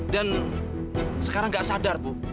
dan sekarang gak sadar bu